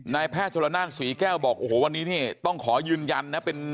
นายแพทย์ธรรมนัฐสวีแก้วบอกโอ้โหวันนี้ต้องขอยืนยันนะ